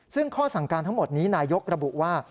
ซึ่งข้อสั่งการทั้งหมดนี้นายกระบุว่า